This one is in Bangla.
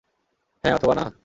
হ্যাঁঁ অথবা না?